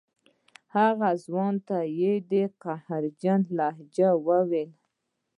هغه ځوان ته یې په قهرجنه لهجه وویل.